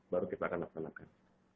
baru kita akan laksanakan